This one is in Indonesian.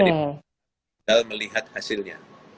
jadi kita bisa melihat hasilnya